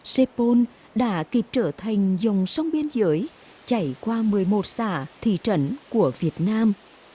sepol đã kịp trở thành dòng sông biên giới chảy qua một mươi một xã thị trấn của việt nam